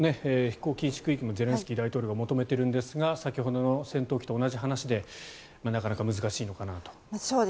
飛行禁止空域もゼレンスキー大統領が求めているんですが先ほどの戦闘機と同じ話でなかなか難しいのかなと。